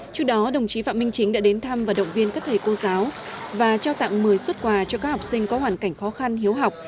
trước đó đồng chí phạm minh chính đã đến thăm và động viên các thầy cô giáo và trao tặng một mươi xuất quà cho các học sinh có hoàn cảnh khó khăn hiếu học